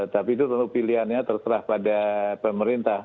tapi itu tentu pilihannya terserah pada pemerintah